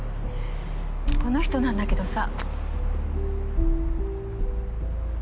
この人なんだけどさ。